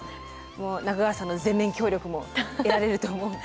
もう中川さんの全面協力も得られると思うので。